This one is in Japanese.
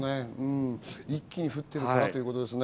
一気に降っているからということですね。